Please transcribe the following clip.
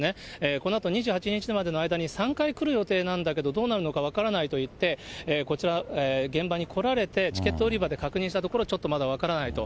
このあと２８日までの間に３回来る予定なんだけど、どうなるのか分からないと言って、こちら、現場に来られて、チケット売り場で確認したところ、ちょっとまだ分からないと。